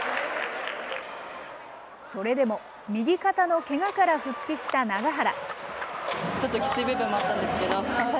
それでも、右肩のけがから復帰した永原。